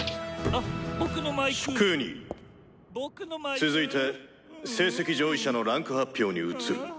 「続いて成績上位者の位階発表に移る。